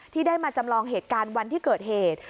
ที่ได้มาจำลองเหตุการณ์วันที่เกิดเหตุ